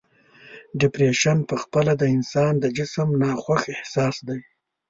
ډپریشن په خپله د انسان د جسم ناخوښ احساس دی.